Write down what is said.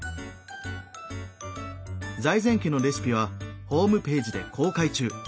財前家のレシピはホームページで公開中。